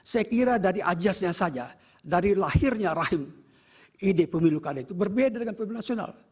saya kira dari ajasnya saja dari lahirnya rahim ide pemilu kada itu berbeda dengan pemilu nasional